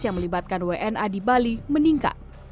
yang melibatkan wna di bali meningkat